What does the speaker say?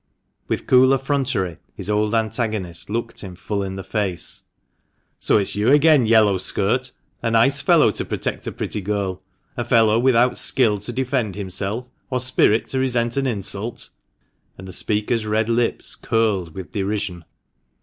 With cool effrontery his old antagonist looked him full in the face. " So it's you again, yellow skirt ! A nice fellow to protect a pretty girl : a fellow without skill to defend himself, or spirit to resent an insult ;" and the speaker's red lips curled with derision.